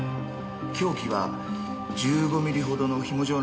凶器は１５ミリほどの紐状のものでしょう。